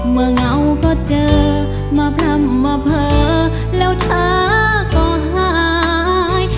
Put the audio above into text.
เมื่อเหงาก็เจอมะพรำมะพิร์แล้วเธอก็หาย